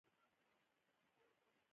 دوی د لمر پیتاوي ته ناست وي.